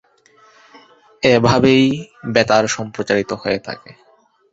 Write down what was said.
এভাবেই বেতার সম্প্রচারিত হয়ে থাকে।